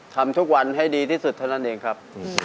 ทำทุกวันให้ดีที่สุดเท่านั้นเองครับ